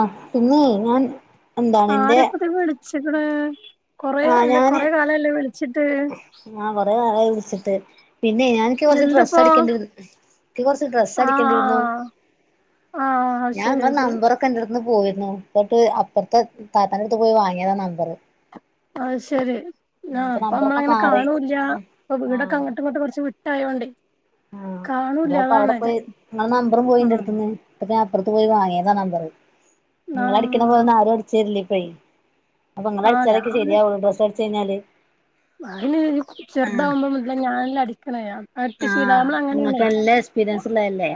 ആഹ് പിന്നെയ് ഞാൻ. എന്താണ് എന്റെ ആരപ്പത് വിളിച്ച്ക്ക്ണ് കൊറെ ആ അല്ല കൊറെ കാലയല്ലൊ വിളിച്ചിട്ട്. ആഹ് കൊറേ കാലായ് വിൾച്ചിട്ട് പിന്നെയ് ഞാ എനിക്ക് കൊർച്ച് എന്തിപ്പോ ഡ്രസ്സടിക്കണ്ടി ക്ക് കൊർച്ച് ഡ്രസ്സടിക്കണ്ടിര്ന്നു ആഹ് ആഹ് അത് ശരി ഞാങ്ങളെ അത് ശരി നമ്പറൊ ക്ക ന്റെട്ത് ന്ന് പോയിന്നു ന്നട്ട് അപ്പർത്തെ താത്താന്റെട്ത്ത് പോയി വാങ്ങ്യതാ ന്നമ്പറ്. അഹ് ശെരി ന്നാ ഇപ്പൊ പ്പ നമ്പറൊക്കെ മ്മളങ്ങനെ മാറി കാണൂല്ല ആഹ് പ്പൊ ആഹ് വീടൊക്കെ അങ്ങട്ടു ഇങ്ങട്ട് കൊർച്ച് വ് ട്ടായോണ്ടെ. ആഹ് അതാപ്പവിടെ പോയി ങ്ങളെ നമ്പറും ഉം പോയിന്റെട്ത്ത്ന്ന്. പ്പ ഞ അപ്പർത്ത് പോയി വാങ്ങ്യതാ നമ്പറ് നിങ്ങളടിക്ക്യണ ആഹ് പോന്ന ആരും അടിച്ചര്ലെ പ്പയ്. ആഹ് അപ്പങ്ങളട്ച്ചാലേക്ക് ശര്യാവുള്ളൂ ഡ്രസ്സട്ച്ചയ്ഞ്ഞാല്. ബാല് ചെർതാവുമ്പ മുതലെ ഞാനല്ലെ അടിക്ക്ണെ. ആഹ് ങ്ങെക്ക് നല്ല എക്സ്പീരിയെൻസ്ള്ള ല്ലെ.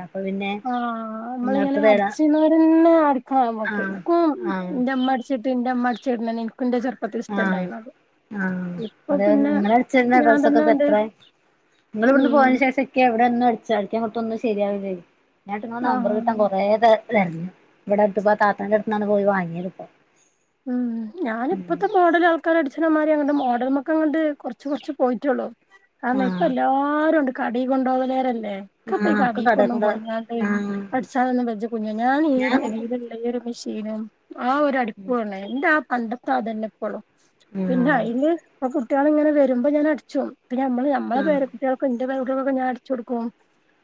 ആഹ് മ്മളിങ്ങനെ അടിച്ച്ണോരെന്നെ അടിക്കണം അമ്മക്ക് ആഹ് ഇക്കും ആഹ് ന്റെമ്മട് ച്ച്ട്ട് ഇന്റെമ്മ അട്ച്ചെര്നെന്നെ ഇൻക്കും ഇന്റെ ചെർപ്പത്തില് ആഹ് ഇഷ്ടണ്ടായ്ണത്. ആഹ് അതെ പോലെന്നെ ങ്ങളട്ച്ചെര്നെ ഞാൻ തന്നെ എന്റെ ഡ്രാസൊക്കൊപ്പത്രെ ങ്ങള് ബട്ന്ന് ഉം പോയെന് ശേഷെ ക്കെ വിടെന്നും അട്‌ച്ചാ ആര്ക്കേ കൊട്ത്ത ഒന്നും ശര്യാവില്ലെയ് ഞാ ങ്ങട്ട് ങ്ങളെ നമ്പറ് ആഹ് കിട്ടാൻ കൊറേ തെര് ലെ വടെ അട്ത്ത് പ്പാ താത്താന്റെട്ത്ത്ന്നാണ് പോയി വാങ്ങ്യത്പ്പം. ഉം ഞാനുപ്പത്തെ മോഡെല് ആൾക്കാര് അടിച്ച്ണമ്മാരി അങ്ങെട്ട് മോഡെൽമെക്ക്ങ്ങട്ട് കൊർച്ച് കൊർച്ച് പോയിട്ടൊള്ളു. ആന്നെ ഇപ്പ ആഹ് എല്ലാരു അണ്ട് കടി കൊണ്ടോവലാരല്ലെ. ഇക്ക് ഇപ്പം ഈ ആഹ് ഒക്കെ കടിക്കൊന്നും കടേക്കൊണ്ട് പോയിങ്ങാണ്ട് ആഹ് അട്ച്ചാനൊന്നും വെജ്ജ കുഞ്ഞാ ഞാൻ ഈ പെരീലെന്നെ ഇര് വെല്ല്യ ഒരു മിഷീനും ആ ഒരു അടിപ്പും ഇണ്ടായിനി ഇന്റെ ആ പണ്ടത്തെ ആ ഇതെന്നെ ഇപ്പെളും. പിന്നെ ആഹ് അയില് ഇപ്പ കുട്ടിയാൾ ഇങ്ങനെ വെരുമ്പം ഞാൻ അട്ച്ചും ഇപ്പ ഞമ്മെൾ ഞമ്മളെ ആഹ് പേര കു കുട്ടിയാൾക്കും ഇന്റെ പേര കുട്ടിയാൾക്കും ഒക്കെ ഞാ അട്ച്ചൊട്ക്കും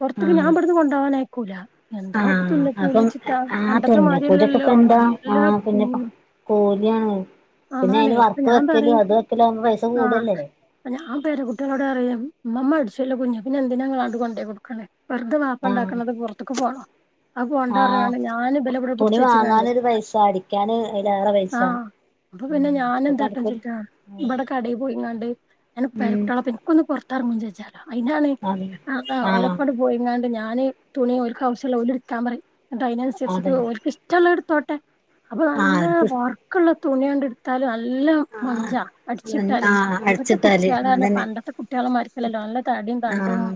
പൊർത്ത്ക്ക് ഞാ ആഹ് ഇബെട്ന്ന് കൊണ്ടോവാന് അയകൂലാ. എന്താ ആഹ് തുന്നപ്പൂലീ അപ്പം ചിട്ടാ ആ പണ്ടത്തെ തുന്നൽക്കൂലിയൊക്കെ ഇപ്പ മാരില്ലല്ലോ എന്താ ആ നല്ല ഉ പിന്നെപ്പ കൂലിയാണ് പിന്നെ അയിന് അപ്പൊ വർക്ക് ഞാൻ വെക്കലും അത് വെക്കലും ആവുമ്പം പൈസ കൂട അല്ലെ. അപ്പ ഞാം പേര കുട്ടിയാളോട് പറിം ഇമ്മമ്മ അട്ച്ചോല്ലോ കുഞ്ഞാ പിന്നെ എന്തിനാ ഇങ്ങെൾ ആണ്ട് കൊണ്ടോയ് കൊട്ക്ക്ണെ. വെറ്തെ ബാപ്പ ആഹ് ഇണ്ടാക്ക്ണെത് പൊർത്ത്ക്ക് പോണോ? അഹ് പോണ്ടാ പർണ് ആഹ് കാണ്ട് ഞാൻ ഇബെലെ ഇബെടെ തുണി പുട്ച്ചെച്ച് കാണ്ടെയ്. വാങ്ങാനൊരു പൈസ അടിക്കാൻ അയിലാ ആഹ് അപ്പ പിന്നെ ഞാനും നടക്കൂല എന്താട്ടുംച്ച്ട്ടാ ഇബെടെ കാ കട പോയിങ്ങാണ്ട് ഞാനും ഉം പേരകുട്ടിയാളെ ഒപ്പം ഇൻക്കൊന്ന് പൊർത്ത് അറങ്ങും ചെജ്ജാ അയിനാണ് അതെ അതാ ആഹ് ഓലൊപ്പംണ്ട്. പോയിങ്ങാണ്ട് ഞാന് തുണി ഒലുക്ക്‌ ആവശ്യമുള്ള ഓല് എടുക്കാൻ പറയും അതിനനുസരിച്ചിട്ട് അതന്നെ ഓല്ക്ക്‌ ഇഷ്ട്ടള്ള എടുത്തോട്ടെ അപ്പൊ നല്ല ആർക്ക് വർക്കുള്ള തുണിയാണ്ട് എടുത്താലും നല്ല ആഹ് മൊഞ്ചാ അടിച്ചിട്ടാലെ ആഹ് ഇപ്പത്തെ അടിച്ചിട്ടാല് കുട്ടികളന്ന് അതന്നെ പണ്ടത്തെ കു കുട്ടികളെ മാരിക്കല്ലല്ലോ നല്ല തടിയും തണ്ടും ആഹ്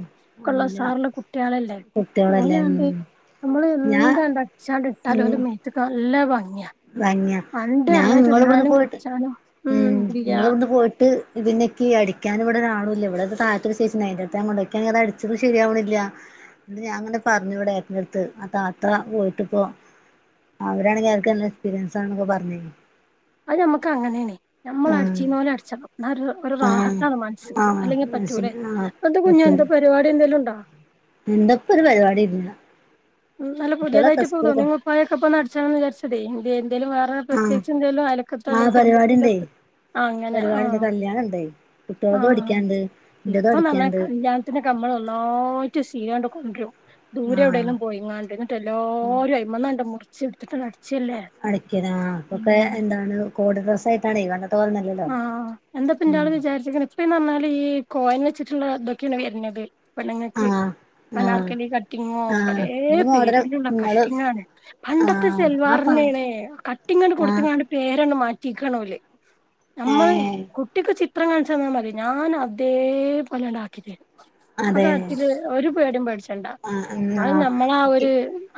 ക്കെ ഉള്ള അല്ല ഉസാറുള്ള കുട്ടികളല്ലേ കുട്ടികളല്ലേ ഉം ഓലാണ്ട് നമ്മള് ഞാൻ എന്താണ്ട് അച്ചാണ്ട് ഇട്ടാലും ഓലെ മേത്തക്ക് നല്ല ഭംഗിയ ഭംഗിയ ഞാൻ നിങ്ങള് ഇവിടുന്ന് പോയിട്ട് കുടിച്ചാനും ഉം ഇല്ല നിങ്ങള് ഇവിടുന്ന് പോയിട്ട് ട്ട് പിന്നെക്കീ അടിക്കാന് ഇവിടെരാളൂല്ല ഇവിടെ അത് താഴത്തൊരൂ ചേച്ചി നേരത്തെ കൊണ്ടക്ക അത് അടിച്ചത് ശരിയാവണില്ല ഞാൻ അങ്ങനെ പറഞ്ഞു ഇവിടെ ഏട്ടന്റെടു ത്ത് ആ താത്ത പോയിട്ടിപ്പോ അവരാണെങ്കി അവർക്ക് നല്ല എക്സ്പീരിയൻ ആണെന്ന് ക്കെ പറഞ്ഞിരുന്നു അത് നമ്മുക്ക് അങ്ങനെയാണ് നമ്മള് അടിച്ചീന്ന് പോലെ അടിക്കണം ന്നാ ഒരു ആഹ് റാഹത്താണ് മനസിന് ക് ആഹ് അല്ലെങ്കിൽ അത് പറ്റൂല ശരി ആഹ് പ്പന്ത കുഞ്ഞ എന്ത പരിവാടി എന്തെലുണ്ടാ. എന്തപ്പൊര് പരിപാടി ഇല്ല. ഉം നല്ല കുട്ടികളൊക്കെ പുത്യേതായ്ട്ട് പ്പോ സ്കൂൾക്ക് തുണിം കുപ്പായൊക്കെ പ്പ ന്നട്ച്ചാണന്ന് വിചര്ച്ചതെ എന്തെ എന്തേലും വേറെ ആഹ് പ്രത്യേകിച്ചെന്തേലും അയലക്ക ആഹ് പരുപാടിണ്ടേ. പരുവാടിണ്ട് ആഹ് കല്യാണണ്ടെയ് കുട്ട്യോളതു അടിക്ക്യാണ്ട് ൻ്റതു അടിക്ക്യാണ്ട്. ത്തിനൊക്ക നമ്മൾ നന്നായ്റ്റ് സീലണ്ട് കൊണ്ട്രും ആഹ് ദൂരെവ്ടെലും. പോയിങ്ങാണ്ട് ഉം ന്നട്ടല്ലാരു അയ്മന്നാണ്ട് മുർച്ചിട്ത്ത്ട്ട്ണ്ട് അട്ച്ചല്ലേ. അടക്ക്യത അപ്പൊക്കെ എന്താണ് കോഡ് ഡ്രസ്സായിട്ടാണ് വന്ന്ത്തോന്ന് [unintelligible] ആഹ് ആഹ് എന്താപ്പൻ്റാള് വിചാര്ച്ച്ക്ക്ണ പ്പീന്നർഞ്ഞാല് ഈ കോയൻ വെച്ചിട്ടുള്ള തൊക്കെണ് വെര്നത്. പെണ്ണ്ങ്ങക്ക് ആഹ് ആഹ് അനാർക്കലി കട്ടിങ്ങോ ആഹ് പലേ ഈ മോഡല് പേരുലുള്ള നിങ്ങള് കട്ടിങ്ങാണ്. പണ്ടത്തെ ആഹ് ആ പ സെൽവാറെന്നേണ് കട്ടിങ്ങണ്ട് ആഹ് കൊടുത്ത്ങ്ങാണ്ട് പേരണ് മാറ്റിക്കാണോല്. നമ്മൾ ഏഹ് കുട്ടിക്ക് ചിത്രം കാൺച്ചന്നാ മതി ഞാൻ അതേ പൊലേണ്ടാക്കിത്തരും. ആ അതെ കാര്ത്തില്ല് ഒരു പേടി പെഠിച്ചു റ്റണ്ട ആഹ് എന്നാ ന്നാലും ഞ്ഞമ്മളാ ഇക്ക് ഒര്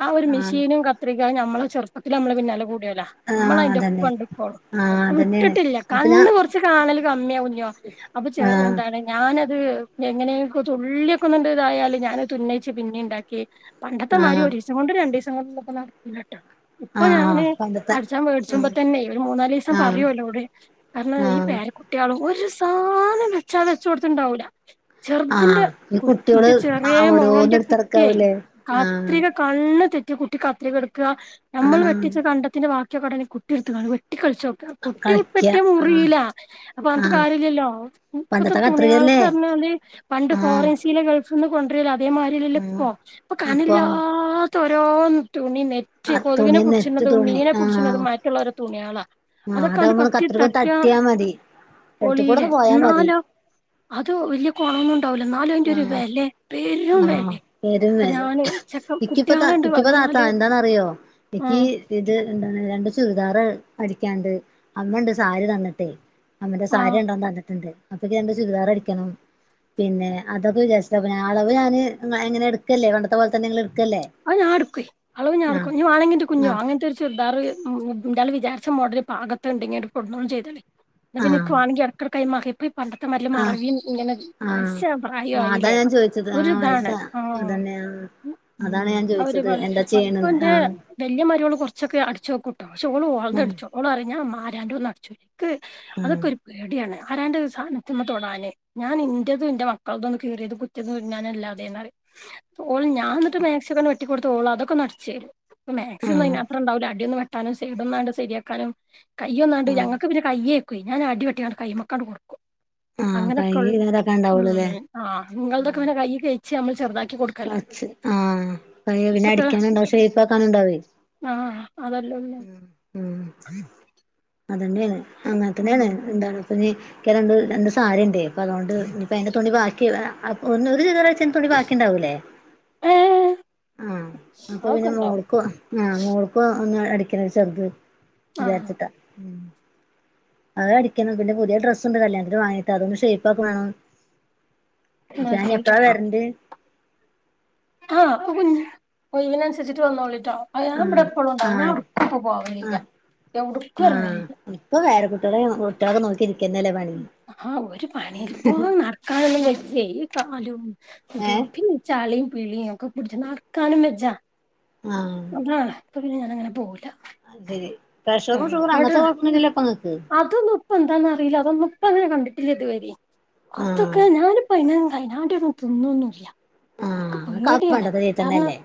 ആ ഒരു ആഹ് മിഷീനും ക ത്രിക അഹ് ഞ്ഞമ്മളും ചെർപ്പത്തിലമ്മള് പിന്നാലെ കൂട്യോലാ ആഹ് അതന്നെ മ്മളയ്ൻ്റൊപ്പണ്ട് പോണം ആഹ് അ അതന്നെയാണ് വിട്ട്ട്ടില്ല. അപ്പൊ ഞാൻ കണ്ണ് കൊർച്ച് കാണല് കമ്മ്യ കുഞ്ഞോ അപ്പൊ ചെ ആഹ് എന്താണ്. ഞാനത് എങ്ങനെയൊക്ക തുള്ള്യൊക്കൊന്നണ്ട് തായാല് ഞാനത് തുന്നയ്ച്ച് പിന്നിണ്ടാക്കി. പണ്ടത്ത മാരി ആഹ് ഒരിസം കൊണ്ട് രണ്ടീസം കൊണ്ടൊന്നൊക്ക നട്ക്കൂലട്ടൊ. ഇപ്പൊ ആഹ് ഞാന് പണ്ടത്തെ അടിച്ചാൻ മേടിച്ച്ബ ഉം തന്നെ ഒരു മൂന്നാലീസം ആഹ് പറയും. ഓല്ലോ ട്. കാരണം ഈ ആഹ് പേരകുട്ട്യാൾ ഒരു സാനം വെച്ചാ വെചോട്ത്ത് ഉണ്ടാവൂല. ചെറുതിന്റെ ആഹ് ഈ കു കുട്ടികള് ചെറിയ ഓരോന്ന് മോന്റെ കുട്ടിയെ എടുത്തെടക്കാവൂലേ ആഹ് കാത്രിക. കണ്ണ് തെറ്റ കുട്ടി കത്രിെടുക്ക നമ്മൾ ആഹ് വെട്ടിച്ച കണ്ടത്തിന്റെ വാ [unintelligible] കുട്ടി ഇട്ത്ത്കാണ്ട് വെട്ടി കളിച്ചോക്ക കുട്ടി കളിക്ക വെട്ടിയ ആഹ് മുറീല്ല. ആഹ്പറഞ്ഞിട്ട് ആഹ് കാര്യല്ലല്ലോ ഇപ്പത്തെ പണ്ടത്തെ കത്രികല്ലേ തുണിയൾക്കറഞ്ഞാല് പണ്ട് ആഹ് ഫറിൻസ്. സീല ഗൾഫ്ന്ന് കൊണ്ടരല്ല അതേമാതിരില്ല ആഹ് പോ ഇപ്പ അപ്പൊ കനല്ലാ ഓരോ തുണി നെറ്റ് കൊതുകിനെ തുണി നെറ്റ് പിടിച്ചിുന്നതും തുണി മീനെ ആഹ് പിടിച്ചുന്നതും മറ്റള്ളൊര തുണിയാള്ളാ ആഹ് അതാവുമ്പോ കത്രിക തട്ടിയാ മതി എടുത്ത കൂടെ ഒന്ന് പോയാ മതി. അതോ വല്ല്യ കോണന ടവുല നാലും അയിന്റെ ഒരു ആഹ് വേല്ലേ പേരും ആഹ് വേല്ലേ പെരും അപ്പൊ വെലെ ഞാന് ച്ചക്കാം. ഇക്കിപ്പ ത ഇക്കിപ്പ താത്താ എന്താന്ന്റിയോ ഇക്കി ആഹ് ഇത് എന്ത രണ്ട് ചുരിദാർ അടിക്യണ്ട് അമ്മണ്ട് സാരി തന്നിട്ടേ. അമ്മന്റെ സാരി ആഹ് രണ്ടന്ന് തന്നിട്ടുണ്ട് അപ്പൊക്ക് രണ്ട് ചുരിദാർ അടിക്കണം പിന്നെ. അതൊകൊ വിചാരിച്ച് അളവ് ഞാന് ഇങ്ങനെ എടുക്കല്ലേ പണ്ടത്തെ പോലെ തന്നെ ങ്ങ്ങള് ട്ക്കല്ലേ. അ ഞാടുക്കോ അളവ് ഞാടുക്കോ വാന്നെങ്കി കുഞ്ഞോ ആഹ് അങ്ങനത്തെ ചുറദാർന്താല് വിചാരിച്ച മോഡൽ പാകത്തുണ്ടെങ്കി ഇങ്ങോടും ചെയ്തോണ്ടിം ഇന്നാപ്പിന്നെ ഇന്ക് ആഹ് വാണഗി എട്ക കൈമാറി ഇപ്പ ഈ പണ്ടത്തെ ആഹ് മറവിയും ഇങ്ങനെ ആഹ് വയസ്സ് പ്രായു ആഹ് അതാ ആയില്ലേ. ഞാൻ ചോദിച്ചത് ഒരു ആഹ് പൈസ ഇതാണ് ഓ അതന്നെ ആഹ് അതാണ് ഞാൻ ചോദിച്ചത്. എന്റെ അപ്പ എന്റെ വലിയ മര്യയോള് കുറച്ചൊക്കെ അടച്ചോകുട്ടോ പക്ഷേ ഓള് ആഹ് ഓൾതടിച്ചും. ഓളരിംഞാൻ ആരാന്റെ ഒന്നു അട്ച്ചുല ക്ക് ആഹ് അതൊക്കെ ഒരു പേടിയാണ് ആരാന്റെ സാധനത്തിമെ തൊടാൻ. ഞാൻ ഇന്റേതും ഇന്റെ മക്കൾതും ഒന്ന് കേറിയത് കുറ്റുതി തുനാനല്ലാതെ. ക്ക്‌ മാക്സിഒക്കെ ഒന്ന് വെട്ടി കൊട്ത്ത് ഓള് അതുകൊണ് അടിച്ചേരും മാക്സി ഒന്നും ആഹ് അയിനാത്രം ഉണ്ടാവൂല അടിയൊന്നും വെ ട്ടാനും ഷെയിഡ്ണാണ്ട് ശരിയാക്കാനും കയ്യൊന്നാണ്ട് ആഹ് ഞങ്ങൾക്ക് പിന്നെ കയ്യ് ഞാൻ അട്ടി വെട്ടിയ കൈ്മക്കാണ്ട് കൊടുക്കും. ആഹ് അങ്ങനെയൊക്കെ കൈയ്യ് ഉള്ള ഇതാതാക്കാൻ ഉ ഉണ്ടാവുള്ളൂല്ലേ ഉം. ആഹ് ഇങ്ങൾതൊക്കെ പിന്നെ കൈ കഴിച്ച് നമ്മള് ചെറുതാക്കി കൊടുക്കല്ല. വച്ച് ആഹ് പയ പിന്നെ അടിക്കാനുണ്ടാവും ഷേപ്പ് ആാക്കാനുണ്ടാവേ. ആഹ് അതല്ലാഉ ഉം അതന്നെണ് ഉം അങ്ങനത്തന്നെയെണ് ന്താണ്. [unintelligible] രണ്ട് സരിൻഡ് അപ്പൊ അതോണ്ട് ആപത്തെണ്ട് തുണി ബാക്കി [unintelligible] തുണി ബാക്കിണ്ടാവൂലേ ഏഹ് ആഹ് അപ്പൊ പിന്നെ അതൊക്കെണ്ടോ മോൾക്കോ ആഹ് മോൾക്കു ഒന്ന് അടിക്കണ ചെറുത് ആഹ് വിചാരിച്ചിട്ടാ. അത് അടിക്യണം പിന്നെ പുതിയ ഡ്രസ് ഉണ്ട് കല്യാണത്തിന് വാങ്ങിട്ട് അതൊന്ന് ഷേയിപ്പാ ക്കു വേണം. അപ്പൊ ന്നാ ഞാൻ ശരി എപ്പഴാ വേര്ണ്ടി ആഹ് ഒയിയിവി നുസരിച്ചിട്ട് വന്നോളിട്ടോ. ആഹ് ഞാൻ ഇവടെ എപ്പഴും ഉണ്ടാവും ഞാൻ ഒട്ക്കും പോവലില്ല യോടുക്കും എറങ്ങലില്ല. ഇപ്പ പേര കുട്ട്യാലിം കുട്ടിളക്കോ നോക്കിരിക്കുന്നല്ലേ പണി. ആഹ്ഹാ ഒര് പണീപ്പോ നടക്കാനൊന്നും വജ്ജെ ഈ കാലും ഇതും ഏഹ് പിൻ ചളീം പിളീം ഒക്കെ പുടിച്ച് നടക്കാനും വെജ്ജാ ആഹ് ആഹ് അപ്പോപിന്നെ ഞാനങ്ങനെ പോവൂല്ല അയ്ശെരി പ്രഷറും ഷുഗ്റും അങ്ങനത്തെ കൊഴപ്പൊന്നൂല്ല്ലൊപ്പങ്ങ്ക്ക് അതൊന്നുപ്പന്താന്നറീല അതൊന്നുപ്പങ്ങനെ കണ്ടിട്ടില്ലല്തുവരെ ആഹ് അതൊക്കെ ഞാന് അപ്പൊയ്നെന്തായ്ന് ഞാപിട്ച്തിന്ന്വൊന്നുല്ല ആഹ് എക്ക് നിങ്ങക്ക് അതൊക്കെ പേടിയാണ് പണ്ടത്തെ രീതി കാരണം തന്നെയല്ലേ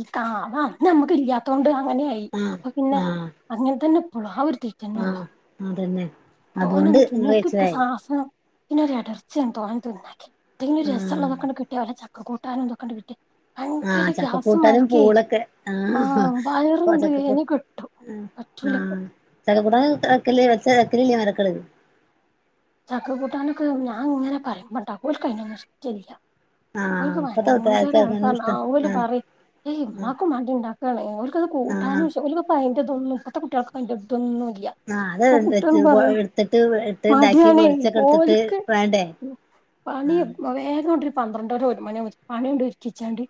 ഈ കാ ആഹ് അന്ന് നമുക്ക് ഇല്ലാത്തോണ്ട് അങ്ങനെയായി ആഹ് അപ്പൊ പിന്നെ ആഹ് അങ്ങൻതന്നെ പ്പ്ളും ആഒര്തീ ആഹ് അതന്നെ അതോണ്ട് ങ്ങള്കയ്ച്ച്ലായ് ആവ്സനം പിന്നെ ഒര് എടർച്ചെന്തോ ങ്ങൻത്തെന്തോണ്ട്ക്കി പിന്നെ ആഹ് രസൊള്ളതൊക്കണ്ട് കിട്ടിയ വല്ല ചക്ക് കൂട്ടാനൊന്ത്ക്കെണ്ട് പിൻ റ്റ് ആഹ് ഭയ്ങ്കര ഗ്യാസ് ചക്കക്കൂട്ടാനും മാരി‌ക്കെ പൂളൊക്കെ ആഹ് ഇപ്പൊ വയറ്ങ്ങട് ചക്കക്കൂ വേന്ന് കെട്ടും ആഹ് പറ്റൂല ഇപ്പൊ ആഹ് ചക്കക്കൂട്ടാന് വെക്കല്ല്ല വെച്ചാ വെക്കല്ല്ല ആട്ക്കളേല് ചക്ക കൂട്ടാനൊക്കെ ഞാൻങ്ങനെ പറയ്മ്പണ്ടാക്കും ഓൽക്കയ്നൊന്ന്ഷ്ട്ടില്ല ആഹ് ഓൽക്ക് ഇപ്പത്തെ ഭയങ്കര കുട്ടികൾക്ക് അതൊന്നും അതാണ് ഇഷ്ടം ആഹ് ഓല് പറയും ഏഹ് ആഹ് മ്മാക്കുംമാണ്ടിണ്ടാക്കാണ് ഓൽക്കത് ആഹ് കൂട്ടാനുംഷഉല് പ്പയ്ന്റെതൊന്നും പ്പത്തെ കുട്ടികൾകക്കെയ്ന്റെതൊന്നും ഇല്ല്യാ ആഹ് അത് ന്താച്ച ത്പോലൊരെടുത്തിട്ട് ഞാനെ ഓല്ക്ക് ആ പണിം വേഗം കൊണ്ടരു പന്ത്രണ്ടൊര് ഒരു മണിയാമ്പോ പണിയൊണ്ട് കിച്ചൺല്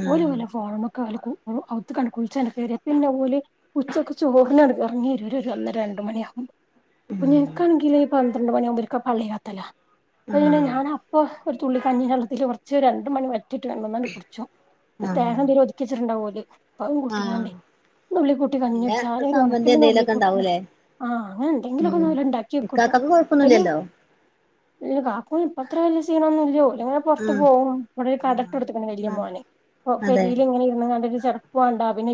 ആ ഒര്തുല്ല ഫോണമ്മ കാല്ക്കു ഒവു അവുത്ത്ക്ക് കുൽച്ചങ് കേറ്യാ പിന്നെ ഓല് ഉച്ചക്ക് ചോറിന് എർ എറങ്ങെരും ഒര് ഒന്ന് രണ്ട് മണിയാകും ആ കുഞ്ഞ്ങ്ങക്ക്ണെങ്കില് പന്ത്രണ്ട് മണിയാവ്മ്പോര്ക്ക് പള്ളിലാത്തല്ല അപോപ്പിന്നെ ഞാന് ആ ഹൊ ഒര് തുള്ളികഞ്ഞില് വെള്ളത്തില് കൊറച്ച് രണ്ട് മണി വരും റ്റ്റ്റ് വേണ്ടന്നാലുംത് കുടിച്ച്പോം ആ തേങ്ങന്തേലും ഒതുക്കി വെച്ചിച്ചിട്ടുണ്ടാവോല് അപ്പതും ആ കുട്ടിങ്ങാണ്ടേ നുള്ളിക്കൂട്ടി കഞ്ഞി അല്ല കുടിച്ചാചാലാഒര് സമ്മന്തി ഒണക്കല് എന്തെലൊക്കെ നുള്ളിക്കൂട്ട ഉണ്ടാവൂലേ ആഹ് അങ്ങനെ എന്തെങ്കിലക്കൊന്ന് ഉം ഓല്ണ്ടാക്കി വെക്കൂട്ടോ ഇക്കാക്കക്ക് പിന്നെ കൊഴപ്പൊന്നുല്ലല്ലോ ഇല്ല കാക്കുനിപ്പത്ര വല്ല്യ സീനൊന്നുല്ലോ ല്ങ്ങനെ ആ പൊറത്ത് പോകും ഇവ്ടൊര് കടട്ട് കൊടുത്തക്ക്ണ് വല്യ ആ മോന് അതെ പെരേല്ങ്ങനെര്ന്ന കണ്ട്ട്ട് ച ക്ക്വാണ്ടാ പിന്നെ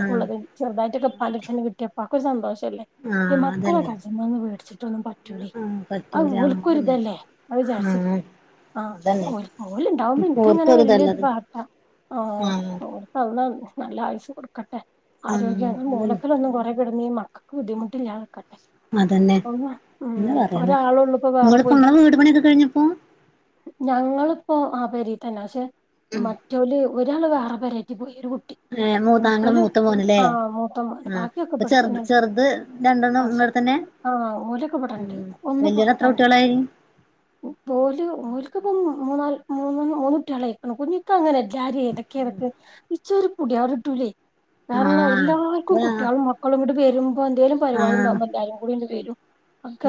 ആ ചെറുതായിട്ട്ക്കെ പണിട്ത്ത്ന്നെ കിട്ട്യാപ്പാക്കൊര് സന്തോഷല്ലേ ആ ന്റെ മക്കള് അതന്നെ കരച്മ്മാന്ന് പേടിച്ച്ട്ടൊന്നും പറ്റൂല്ലേ ആ അഹ് പറ്റൂല അതന്നെ ഓൽക്കൊര്തല്ലേ ന്ന് ആ വിചാരിച്ച്ട്ട് ആഹ് അതന്നെ ഓൽക് ഓല്ണ്ടാവ്മ്പോ ഇപ്പൊ എൻക്ക്ങ്ങനെ വല്യത് ഓർക്കൊരിതല്ലത് പാട്ടാ ആ ആഹ് ഓഹ് അള്ളാ നല്ല ആയ്സ്സ് കൊട്ക്കട്ടെ ആ ആരോഗ്യം അതന്നെ മൂലക്കലൊന്നും കൊറെ കെടന്നീ മക്ക ക്ക് ബുദ്ധിമുട്ട്ല്ലാതെ കെട് അതന്നെ എന്നാ പറയണെ ഒരാളൊള്ളൂ ങ്ങള്പ്പം ങ്ങളെ വീട് പണിയൊക്കെ കഴ്ഞ്ഞൊപ്പം ഞങ്ങള്പ്പോ ആഹ് പേരെതന്നാ പഷെ മറ്റ് റ്റോല് ഒരാള് വേറെ പെരേക്ക് പോയ് ഒര്കുട്ട് ട്ടി ഏ മൂതാ ങ്ങളെ മറ്റൊല് മൂത്ത മോനല്ലേ ആഹ് മൂത്തമോൻ ആ അപ്പൊ ചെറുത് ബാക്കിയൊക്കെബ്ടെത്തന്നെണ്ട് ചെറുത് രണ്ടെണ്ണം ആഹ് ഇങ്ങടെ തന്നെ ആഹ് ഉം ഓലൊക്കെവ്ട്ണ്ട് ഒന്ന് വല്യോന് എത്ര പൊറത്താണ് കുട്ടികളായി ഉം പോല് ഓൽക്ക്പ്പം മൂ മുന്നാൽ മൂന്നാല് മൂന്ന് കുട്ടികളായ്‌ ഓന്ക്ക്ങ്ങനെ എല്ലാരെ എടക്കെടക്ക് ഇച്ചൊര് പുടിയാട്ട്ടൂലൈ ആ കാരണം എത്ര എല്ലാർക്കും കുട്ട്കളും ആ മക്ക് ക്കൊള്ങ്ങട്ട് വരുമ്പോ എന്തേലും ആ പരിപാടീണ്ടാവ്മ്പല്ലാരും കൂടിങ്ങട് വരും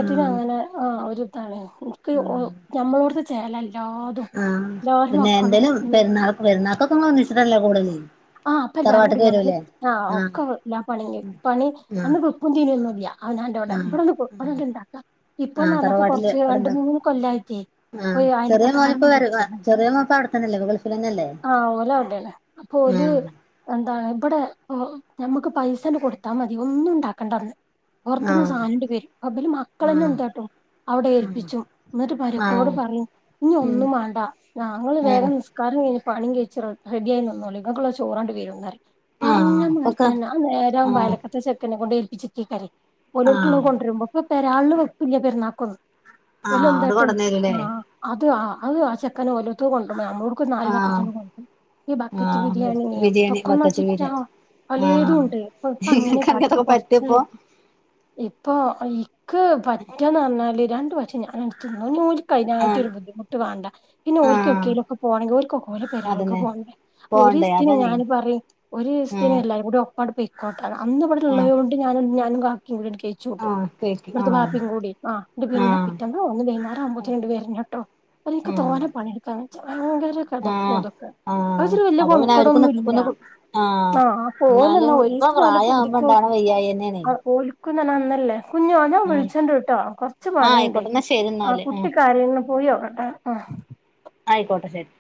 ആ ത്ത്നങ്ങനെ ആഹ് ഒര്താണ് ന്ക്ക് ഓഹ് ഞമ്മള്ട്ത്തെ ചേലല്ലാത് ആഹ് പിന്നെ എന്തേലും പെരുന്നാൾ പെരുന്നാക്കൊക്കെ നിങ്ങഒന്ന്ച്ച്ട്ടല്ലേ കൂടല് ആഹ് അപ്പൊ എല്ലാരും കൂടി തറവാട്ട്ക്ക് ഞമ്മ് വരൂല്ലേ ആഹ് ആ ഒക്കെല്ലാ പണിങ്ങ് പണി ആ അന്ന് വെപ്പും തീനി ഒന്ന്യുല്ല അവനാൻ്റോടെ ആ ഇവിടെത് കൊ ഇവടെണ്ട് ണ്ട താ ഇപ്പൊ ആ വന്നപ്പ തറവാട്ടില് കൊർച്ച് രണ്ട് ഇവിടെണ്ട് മൂന്ന് കൊല്ലായിറ്റേ. ആ അപ്പൊ ഈ ചെറിയ മോനിപ്പോ അയ്ല്ക്ക്ത്ത്കാരൊന്നും വര വിളിച്ചന്ന്ല്ല ചെറിയ മോനിപ്പോ അവിടെത്തന്നെല്ലേ ഗൾഫിലന്നെല്ലേ ആഹ് ഓലുംണ്ടല്ലേ ഓല് എന്താ ഇവ്ടെ മ്മ് ഞമ്മക്ക് പൈസങ്ങട് കൊട്ത്താമതി ഒന്നുംണ്ടാക്കണ്ടാന്ന് ആ ആ പുറത്തുന്ന് സാനിന്റെ പ അബല് മക്കളന്ന ആ എന്താട്ടോ അവിടെ ഉം ഏൽപ്പിച്ചും എന്നിട്ട് ആഹ് മരുക്കളോട് പറയും ന്നി ഒന്നും വേണ്ടാ ഞങ്ങൾ ആഹ് വേഗം നിസ് കാരം ഇനി പണി കഴിച്ച റെഡിയയിന്നോളി ഇങ്ങക്കുള്ള ചോറാണ്ട് വരുന്നറയും ആഹ് അപ്പൊക്കെ പറഞ്ഞമാരിത്തന്ന ആ നേരാവുമ്പ ആഹ് യാലക്കത്തെ ചെക്കനെ കൊണ്ട് ഏൽപ്പിച്ചിരിക്കീ കറി മുലട്ടള്ള ആഹ് കൊണ്ടുവരുമ്പോ ഇപ്പൊ പെരാള് വെപ്പ പെരുന്നാക്കൊന്ന് ആഹ് അത് എന്തായിട്ടും കൊടന്നേരൂല്ലേ ആ അത് ആ അത് ആ ചെക്കന ല്ലത്ത കൊണ്ടു നമ്മടുക്ക് നാല് ബക്കറ്റ ആഹ് കൊണ്ട ഈ ബക്ക ആഹ് റ്റ്ബിരിയാണി ബിരിയാണി എന്തൊക്കൊന്ന് ബക്കറ്റ് ച്ചിട്ടാ ബിരിയാണി പലേതും ആഹ് ഉണ്ട് ഇപ്പ ഇങ്ങക്ക് അങ്ങനെക്കാട്ടപ്പൊ അങ്ങനത്തൊക്കെ പറ്റോ ഇപ്പൊ കൊറച്ചായിട്ട് ഇപ്പൊ ഇക്ക് പറ്റാന്ന് പറഞ്ഞാല് രണ്ട പറ്റം ഞാൻ എടുത്തു കഴിഞ്ഞായിട്ട് ആഹ് ഒരു ബുദ്ധിമുട്ട് വേണ്ട ആഹ് പിന്നെഓരിക്കൊക്കെലൊക്കെ പോണെങ്കിൽഓരിക്കോരെ പെരേലേക്ക് അതന്നെ പോണ്ടേ പോണ്ടേ ഒരിസത്തേന് അതാണേ ഞാന് പറയും ഒരീസത്തേന് ആഹ് എല്ലാരും കൂടി ഒപ്പാണ്ട് പോയിക്കോട്ടേന്ന് അന്ന് ഇവിടെ ആഹ് ഉള്ളവരോ ഞാനും ഞാനും കാക്കയും [unintelligible] ആഹ് [inaudible] ഇവ്ട്തെ ബാപ്പേം കൂടി ആഹ് [unintelligible] ഇവിടുത്തെ വാപ്പീ കൂടി പിന്നെ ആഹ് പിറ്റെന്ന് വൈകുന്നേരം ആകുമ്പോതെന് [unintelligible] പ്പൊ എനിക്ക് ആഹ് തോനെ പണിയെടുക്കാന്ന് ച്ചാ ഭയങ്കര കെതപ്പും ആഹ് ഇതൊക്കെ അത് ആഹ് ഇച്ചിരി വല്യ അപ്പൊ പിന്നെ കൊണക്കേടൊന്നും ഇല്ല അവർക്ക് [unintelligible] ആഹ് അപ്പൊ ന്നാലും ഓലെന്നാ ഇപ്പൊ പ്രായമാവുമ്പൊ ഇണ്ടാവണ വയ്യായികതന്നെയാണ് ഓലിക്കുന്നെനന്നല്ലേ കുഞ്ഞ ആ ഹ് ഞാൻ ഉം വിളിച്ചണ്ട് ഇട്ടോ കൊറച്ച് ആ പണിയുണ്ടേ ആയിക്കോട്ടെ എന്നാ ശരി ആഹ് എന്നാല് ആ കുട്ടി കരയുന്നു പോയി ഉറക്കണമ് ആഹ് ആയിക്കോട്ടെ ശരി